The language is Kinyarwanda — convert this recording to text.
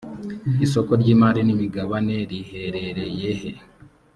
isoko ry imari n imigabaneriheherereye he